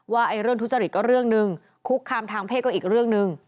ว่าเรื่องทุจริตก็เรื่องหนึ่งคุกคามทางเพศก็อีกเรื่องหนึ่ง